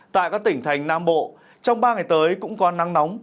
tại các tỉnh thành nam bộ trong ba ngày tới cũng có nắng nóng